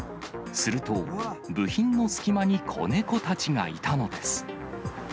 すると、部品の隙間に子猫たちがいたのです。